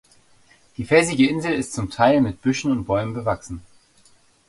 Die felsige Insel ist zum Teil mit Büschen und Bäumen bewachsen.